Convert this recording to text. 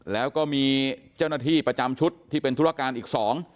แล้วก็มีเจ้าหน้าที่ประจำชุดที่เป็นธุรการอีกสอง